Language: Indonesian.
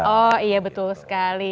oh iya betul sekali